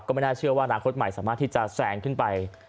ไม่น่าเชื่อว่าอนาคตใหม่สามารถที่จะแสงขึ้นไป